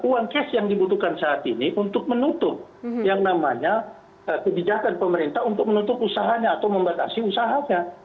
uang cash yang dibutuhkan saat ini untuk menutup yang namanya kebijakan pemerintah untuk menutup usahanya atau membatasi usahanya